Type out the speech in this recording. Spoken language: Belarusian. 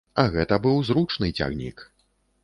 А гэта быў зручны цягнік.